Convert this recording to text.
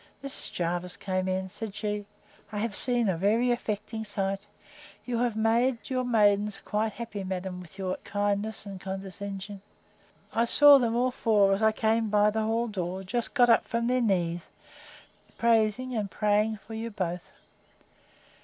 Mrs. Jervis came in. Said she, I have seen a very affecting sight; you have made your maidens quite happy, madam, with your kindness and condescension! I saw them all four, as I came by the hall door, just got up from their knees, praising and praying for you both!